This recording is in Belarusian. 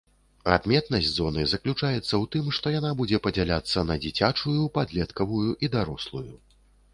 Адметнасць зоны заключаецца ў тым, што яна будзе падзяляцца на дзіцячую, падлеткавую і дарослую.